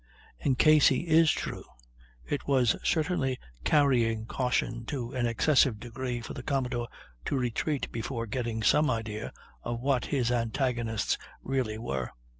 In case he is true, it was certainly carrying caution to an excessive degree for the commodore to retreat before getting some idea of what his antagonists really were.